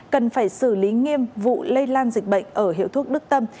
cần phải xử lý nghiêm vụ lây lan dịch bệnh ở hiệu thuốc đức tâm